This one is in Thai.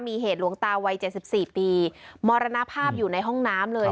มีเหตุหลวงตาวัย๗๔ปีมรณภาพอยู่ในห้องน้ำเลย